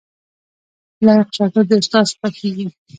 لايق شاګرد د استاد خوښیږي